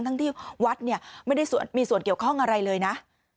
ทั้งที่วัดเนี่ยไม่ได้มีส่วนเกี่ยวข้องอะไรเลยนะ